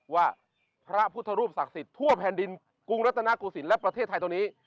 ว่าพระพุทธรูปศักดิ์สิทธิ์ทั่วแผ่นดินกรุงรัฐนาโกศิลป์และประเทศไทยตรงนี้